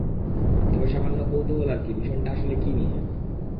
তবে, সামান্য কৌতুহল আরকি, মিশনটা আসলে কী নিয়ে?